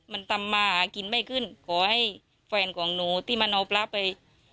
มันทำมาหากินไม่ขึ้นขอให้แฟนของหนูที่มันเอาพระไป